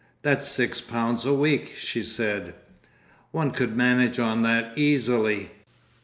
"That's six pounds a week," she said. "One could manage on that, easily.